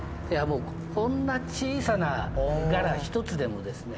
こんな小さなガラ１つでもですね